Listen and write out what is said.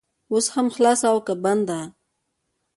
اوس هم خلاصه او که بنده؟